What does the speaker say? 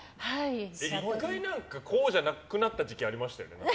１回、こうじゃなくなった時期ありましたよね。